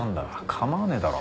構わねえだろ。